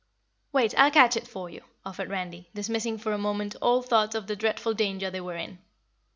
"Wait, I'll catch it for you," offered Randy, dismissing for a moment all thought of the dreadful danger they were in.